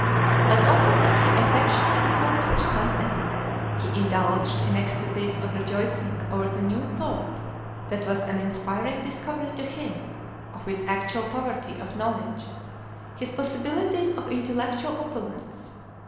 As often as he effectually accomplished something, he indulged in ecstasies of rejoicing over the new thought, that was an inspiring discovery to him of his actual poverty of knowledge, his possibilities of intellectual opulence.